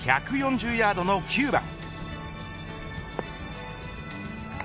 １４０ヤードの９番。